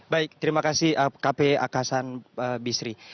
baik terima kasih kp akasan bisri